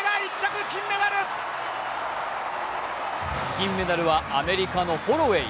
金メダルはアメリカのホロウェイ。